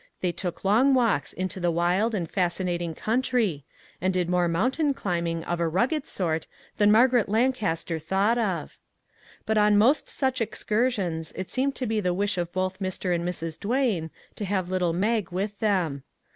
They took long walks into the wild and fascinating country, and did more 362 "EXCELLENT" mountain climbing of a rugged sort than Mar garet Lancaster thought of. But on most such excursions it seemed to be the wish of both Mr. and Mrs. Duane to have little Mag with them.